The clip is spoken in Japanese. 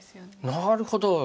なるほど！